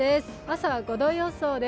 朝は５度予想です。